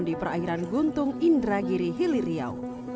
di perairan guntung indragiri hilir riau